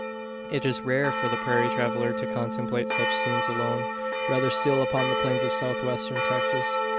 It is rare for the prairie traveller to contemplate such scenes alone rarer still upon the plains of South western Texas.